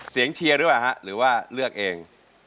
เสียงเชียรวยเปล่าฮะหรือว่าแล็วเอง